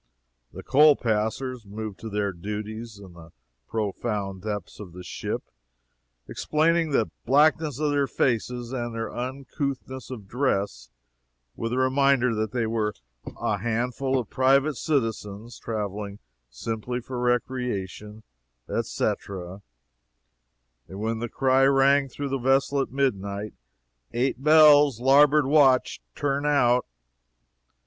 the coal passers moved to their duties in the profound depths of the ship, explaining the blackness of their faces and their uncouthness of dress, with the reminder that they were "a handful of private citizens, traveling simply for recreation," etc., and when the cry rang through the vessel at midnight: "EIGHT BELLS! LARBOARD WATCH, TURN OUT!"